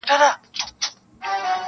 • د خوښیو د مستیو ږغ له غرونو را غبرګیږي -